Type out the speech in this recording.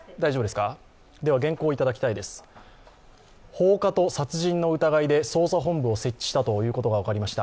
放火と殺人の疑いで捜査本部を設置したということが分かりました。